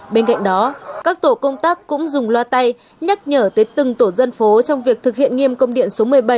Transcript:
bên cạnh đó các tổ công tác cũng dùng loa tay nhắc nhở tới từng tổ dân phố trong việc thực hiện nghiêm công điện số một mươi bảy